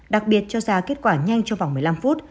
đặc biệt cho ra kết quả nhanh trong vòng một mươi năm phút